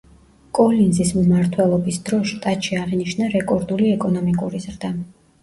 კოლინზის მმართველობის დროს შტატში აღინიშნა რეკორდული ეკონომიკური ზრდა.